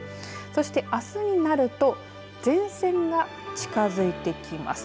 そしてあすになると前線が近づいてきます。